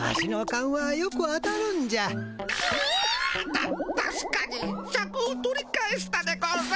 たたしかにシャクを取り返したでゴンス。